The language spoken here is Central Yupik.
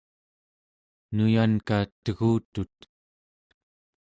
nuyanka tegutut